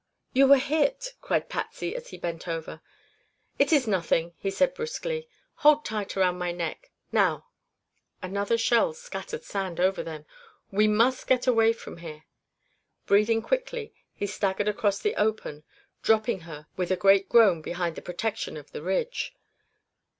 "You were hit!" cried Patsy as he bent over her. "It is nothing," he answered brusquely. "Hold tight around my neck." "Now " another shell scattered sand over them "we must get away from here." Breathing thickly, he staggered across the open, dropping her with a great groan behind the protection of the ridge.